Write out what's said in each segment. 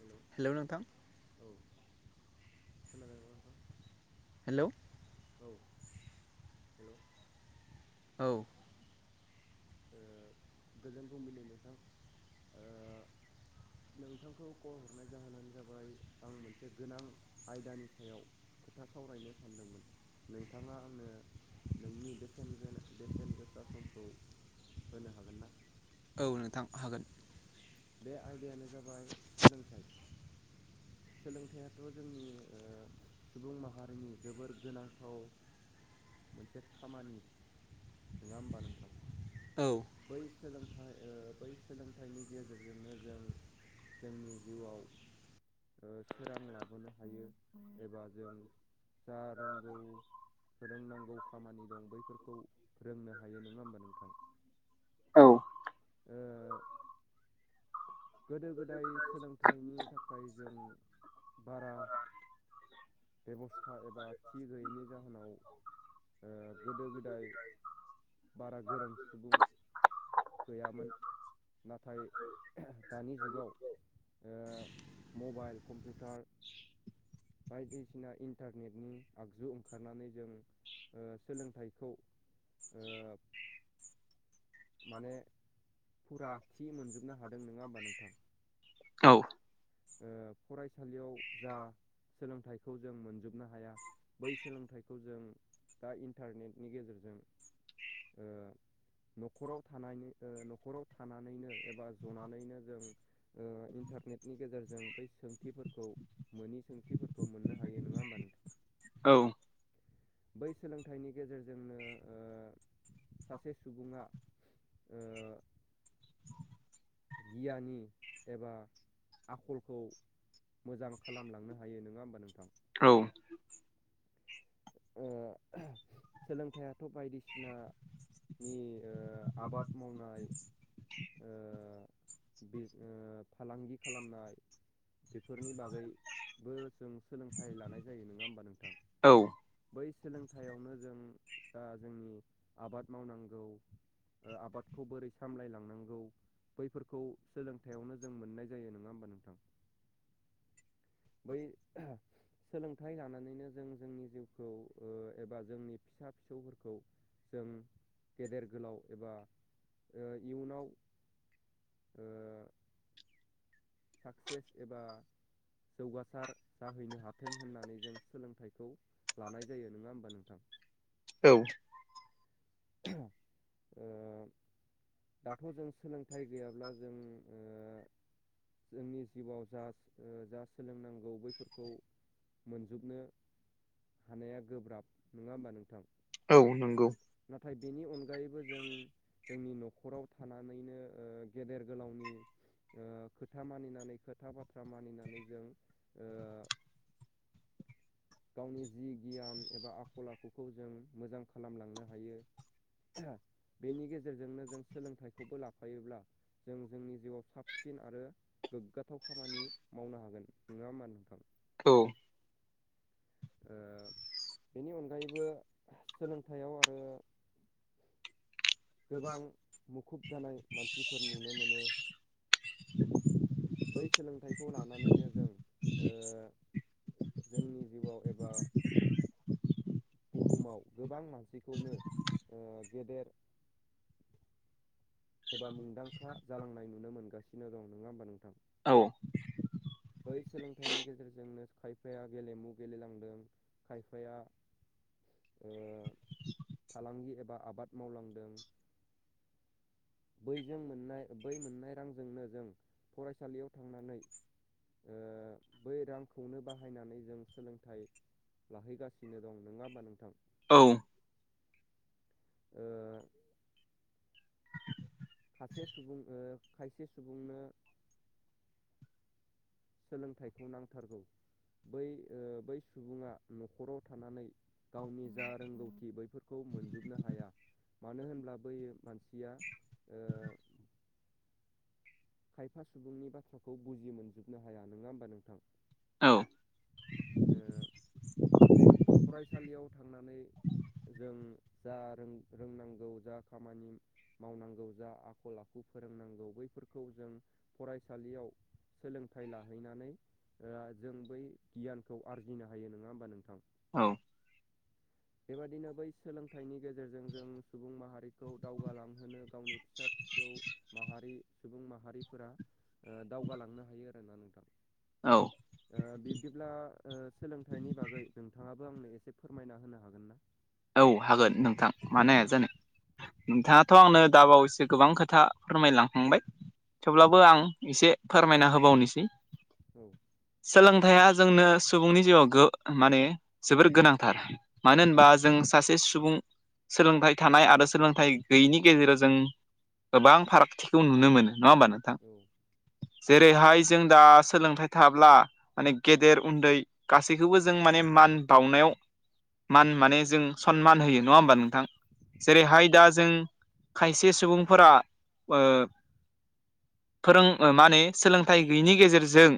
Hello hello नोंथां औ खोनादों ना नोंथां? हेलौ औ हेलौ औ ओ गोजोन फुंबिलि नोंथां ओ नोंथांखौ कल हरनाय जाहोनानो जाबाय आं मोनसे गोनां आयदानि सायाव खोथा सावरायनो सानदोंमोन नोंथाङा आंनो नोंनि बेसेन बेसेन गोसा समखौ होनो हागोन ना? औ नोंथां हागोन। बे आयदायानो जाबाय सोलोंथाइ सोलोंथाइथ' जोंनि ओ सुबुं माहारिनि जोबोर गोनांथाव मोनसे खामानि नङा होमबा नोंथां औ। बै सोलोंथाइ ओ बै सोलोंथाइनि गेजेरजोंनो जों जोंनि जिउआव ओ सोरां लाबोनो हायो एबा जों जा रोंगौ फोरोंनांगौ खामानि दं बैफोरखौ रोंनो हायो नङा होमबा नोंथां? औ ओ गोदो गोदाय सोलोंथाइनि थाखाय जों बारा बेब'स्था एबा थि गैयैनि जाहोनाव गोदो गोदाय बारा गोरों सुबुं गैयामोन नाथाय दानि जुगाव मबाइल कम्पिउटार बायदिसिना इन्टारनेटनि आगजु ओंखारनानै जों ओ सोलोंथाइखौ ओ माने फुरा थि मोनजोबनो हादों नङा होमबा नोंथां? औ ओ फरायसालियाव जा सोलोंथाइखौ जों मोनजोबनो हाया बै सोलोंथाइखौ जों दा इन्टारनेटनि गेजेरजों ओ न'खराव न'खराव थानानैनो ओ एबा जनानैनो जों ओ इन्टारनेट नि गेजेरजों बै सोंथिफोरखौ मोनोनि सोंथिफोरखौ मोननो हायो नङा होमबा नोंथां? औ बै सोलोंथाइनि गेजेरजोंनो ओ सासे सुबुङा ओ गियानि एबा आखलखौ मोजां खालामलांनो हायो नङा होमबा नोंथां? औ ओ सोलोंथाइयाथ' बायदिसिनानि ओ आबाद मावनाय ओ फालांगि खालामनाय बेफोरनि बागैबो जों सोलोंथाइ लानाय जायो नङा होमबा नोंथां? औ बै सोलोंथायाइयावनो जों ओ जोंनि आबाद मावनांगौ ओ आबादखौ बोरै सामलायलांनांगौ बैफोरखौ सोलोंथायाइयावनो जों मोननाय जायो नङा होमबा नोंथां? बै सोलोंथाइ लानानैनो जों जोंनि जिउ एबा जोंनि फिसा फिसौफोरखौ जों गेदेर गोलाव एबा इयुनाव ओ साक्सेस एबा जौगासार जाहैनो हाथों होननानै जों सोलोंथाइखौ लानाय जायो नङा होमबा नोंथां? औ ओ दाथ' जों सोलोंथाइ गैयाब्ला जों ओ जोंनि जिउआव जा जा सोलोंनांगौ बैफोरखौ, मोनजोबनो हानाया गोब्राब नङा होमबा नोंथां, औ नंगौ नाथाय बेनि अनगायैबो जों, जोंनि न'खराव थानानैनो ओ गेदेर गोलावनि ओ खोथा मानिनानै खोथा बाथ्रा मानिनानै जों ओ गावनि जि गियान एबा आखल आखुखौ जों मोजां खालामलांनो हायो। बेनि गेजेरजोंनो जों सोलोंथाइखौबो लाफायोब्ला। जों जोंनि जिउआव साबसिन आरो गोग्गाथाव खामानि मावनो हागोन नङा होमबा नोंथां? औ बेनि अनगायैबो सोलोंथायाइयाव आरो गोबां मुखुब जानाय मानसिफोर नुनो मोनो, बै सोलोंथाइखौ लानानैनो जों ओ जोंनि जिउआव एबा बुहुमाव गोबां मानसिखौनो ओ गेदेर एबा मुंदांखा जालांनाय नुनो मोनगासिनो दं नङा होमबा नोंथां। औ बै सोलोंथाइनि गेजेरजोंनो खायफाया गेलेमु गेलेलांदों खायफाया, फालांगि एबा आबाद मावलांदों। बैजों मोननाय बै मोननाय रांजोंनो जों फरायसालियाव थांनानै, ओ बै रांखौनो बाहायनानै जों सोलोंथाइ लाहैगासिनो दं नङाबा नोंथां, औ ओ, सासे सुबुं ओ खायसे सुबुंनो, सोलोंथाइखौ नांथारगौ बै बै सुबुङा न'खराव थानानै गावनि जा रोंगौथि बैफोरखौ मोनजोबनो हाया। मानो होनब्ला बै मानसिया ओ खायफा सुबुंनि बाथ्राखौ बुजि मोनजोबनो हाया नङा होमबा नोंथां, ओ फरायसालियाव थांनानै, जों जा रों रोंनांगौ जा खामानि, मावनांगौ जा आखल आखु फोरोंनांगौ बैफोर खौ जों फरायसालियाव सोलोंथाइ लाहैनानै, जों बै गियानखौ आरजिनो हायो नङा होमबा नोंथां, औ बेबादिनो बै सोलोंथाइनि गेजेरजों जों सुबुं माहारिखौ दावगालांहोनो गावनि फिसा जौ माहारि सुबुं माहारिफोरा ओ दावगालांनो हायो आरो ना नोंथां। औ। ओ बिब्दियाव ओ सोलोंथाइनि बागै नोंथाङाबो आंनो एसे फोरमायना होनो हागोन ना? औ हागोन नोंथां मानो हाया जानो। नोंथांङाथ' आंनो दाबावैसो गोबां खोथा फोरमायलांखांबाय। थेवब्लाबो आं एसे फोरमायना होबावनोसै। औ। सोलोंइथाया जोंनो सुबुंनि जिउआव गो माने जोबोर गोनांथार मानो होनबा। औ जों सासे सुबुं सोलोंथाइ थानाय आरो सोलोंथाइ गैयैनि गेजेराव जों। गोबां फारागथिखौ नुनो मोनो नङा होमबा नोंथां। औ नोंथां जेरैहाय जों दा सोलोंथाइ थाब्ला माने गेदेर उन्दै। गासैखौबो जों माने मान बाउनायाव मान माने जों। सनमान होयो नङा होमबा नोंथां जेरैहाय दा जों। खायसे सुबुंफोरा ओ, फोरों माने सोलोंथाइ गैयिनि गेजेरजों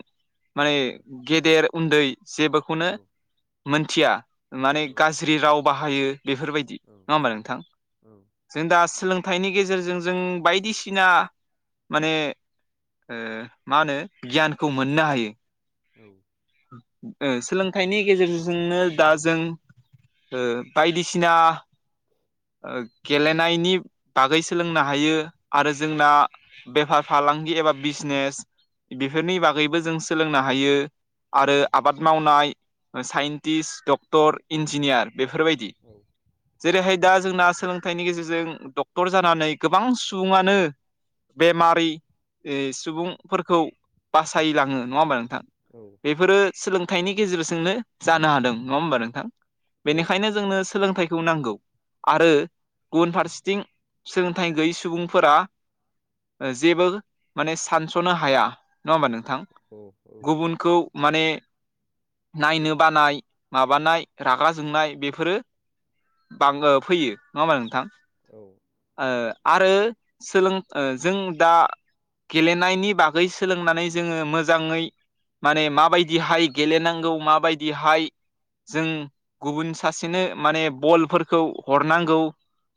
माने उम गेदेर उन्दै जेबोखौनो औ मोनथिया। माने औ गाज्रि राव बाहायो बेफोरबायदि नङा होमबा नोंथां। औ जों दा सोलोंथाइनि गेजेरजों जों बायदिसिना माने ओ मा होनो गियानखौ मोननो हायो। औ। ओ सोलोंथाइनि गेजेरजोंनो दा जों ओ बायदिसिना। [inaudible] ओ गेलेनायनि बागै सोलोंनो हायो आरो जोंना बेफार फालांगि एबा बिजनेस बेफोरनि बागैबो जों सोलोंनो हायो। आरो आबाद मावनाय साइन्टिस्ट डक्टर इन्जिनियार। बेफोरबायदि। जेरैहाय दा जोंना सोलोंथाइनि गेजेरजों डक्टर जानानै गोबां सुबुङानो बेमारि सुबुंफोरखौ बासायलांङो नङा होमबा नोंथां। औ बेफोरो सोलोंथाइनि गेजेरजोंनो जानो हादों नङा होमबा नोंथां बेनिखायनो जोंनो सोलोंथाइखौ नांगौ आरो गुबुन फारसेथिं। सोलोंथाइ गैयै सुबुंफोरा ओ जेबो माने सानस'नो हाया नङा होमबा नोंथां। ओ औ औ उनखौ माने नायनो बानाय माबानाय रागा जोंनाय बेफोरो बांङो फैयो नङा होमबा नोंथां। औ। आरो सोलों जों दा गेलेनायनि बागै सोलोंनानै जोंङो मोजांङै माने माबायदिहाय गेलेनांगौ माबायदिहाय जों गुबुन सासेनो माने बलफोरखौ हरनांगौ।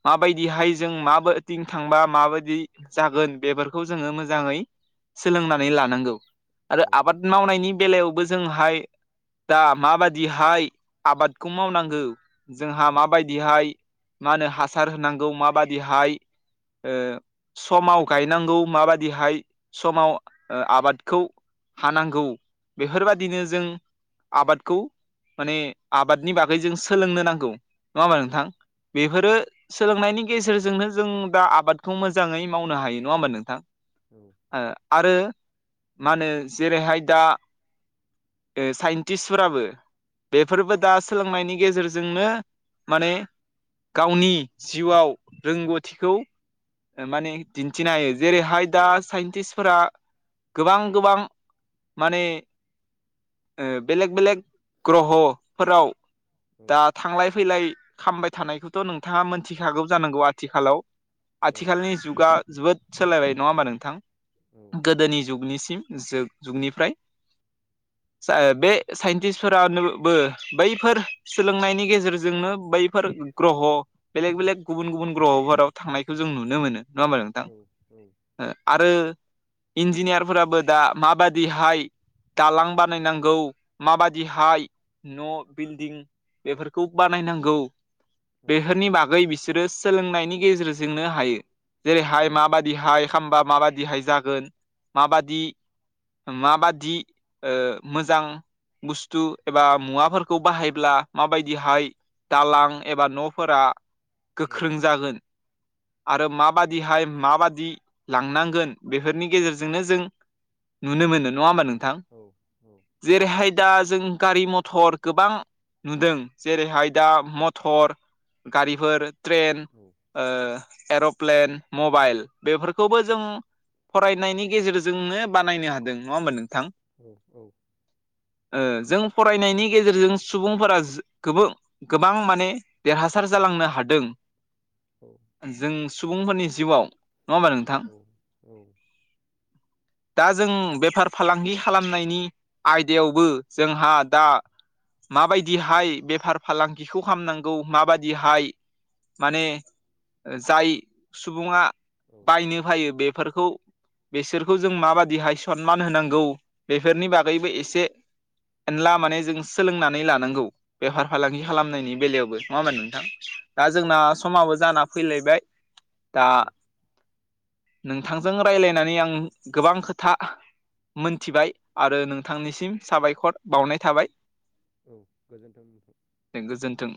माबायदिहाय जों माबेथिं थांबा माबायदि। जागोन बेफोरखौ जोङो मोजांङै सोलोंनानै लानांगौ आरो आबाद मावनायनि बेलायावबो जोंहाय दा माबायदिहाय आबादखौ मावनांगौ जोंहा माबायदि। बिदिहाय मा होनो हासार होनांगौ माबादिहाय ओ समाव गायनांगौ माबादिहाय समाव आबादखौ हानांगौ। बेफोरबायादिनो जों आबादखौ माने आबादनि बागै जों सोलोंनो नांगौ नङा होमबा नोंथां। बेफोरो सोलोंनायनि गेजेरजोंनो जों दा आबादखौ मोजाङै मावनो हायो नङा होमबा नोंथां। औ ओ आरो मा होनो जेरैहाय दा ओ साइन्टिस्फोराबो बेफोरबो दा सोलोंनायनि गेजेरजोंनो माने गावनि जिउआव रोंगौथिखौ माने दिन्थिनो हायो जेरैहाय दा साइन्टिस्टफोरा गोबां गोबां माने ओ बेलेग बेलेग ग्रहफोराव दा थांलाय फैलाय खालामामबाय थानायखौथ' नोंथाङा मोनथिखागौ जानांगौ आथिखालाव। आथिखालनि जुगा जोबोद सोलायबाय नङा होमबा नोंथां गोदोनि जुगनिसिम। जोब जुगनिफ्राय। बे साइन्टिस्फोरानोबो बैफोर सोलोंनायनि गेजेरजोंनो बैफोर ग्रह' बेलेग बेलेग गुबुन गुबुन ग्रहफोराव थांनायखौ जों नुनो मोनो नङा होमब नोंथां औ आरो इन्जिनियारफोराबो दा माबायि हाय दालां बानायनांगौ माबादिहाय न' बिल्डिं बेफोरखौ बानायनांगौ औ बेफोरनि बागै बिसोरो सोलोंनायनि गेजेरजोंनो हायो औ जेरैहाय माबाददि ाबाददिहाय खालामबा माबाददिहाय जागोन माबाददि माबादि मोजां बुस्थु एबा मुवाफोरखौ बाहायब्ला माबायदिहाय दालां एबा न'फोरा औ गोख्रों जागोन आरो माबादिहाय माबादि लांनांगोन बेफोरनि गेजेरजोंनो जों नु मोन नङा होमब नों औ औ जेरैहाय दा जों गारि मथर गोबां नुदों जेरैहाय दा मटर गारिफोर ट्रेन एर'प्लेन मबाइल बेफोरखौबो जों फरायनायनि गेजेरजोंनो बानायनो हादों नङा होमब नोंथां औ औ जों फरायनायनि गेजेरजों सुबुंफोरा गोबां गोबां माने देरहासार जालांनो हादों औ जों सुबुंफोरनि जिउआव नङा होमबा नोंथां औ औ दा जों बेफार फालांगि खालामनायनि आयदायावबो जोंहा दा माबायदिहाय बेफार फालांगिखौ खालामनांगौ माबायदिहाय माने जाय सुबुङा औ बायनो फायो बेफोरखौ बेसोरखौ जों माबाददिहाय सनमान होनांगौ बेफोरनि बागैबो एसे एला माने जों सोलोंनानै लानांगौ बेफार फालांगि खालामनायनि बेलायावबो नङा होनानो नोंथां दा जोंना समाबो जाना फैलायबाय दा नोंथांजों रायज्लायनानै आं गोबां खोथा मोनथिबाय आरो नोंथांनिसिम साबायखर बावनाय थाबाय औ गोजोन्थों नथां बे गोजोन्थों